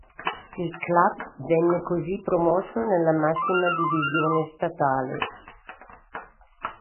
Il club venne così promosso nella massima divisione statale.